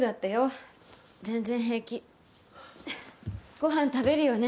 ご飯食べるよね？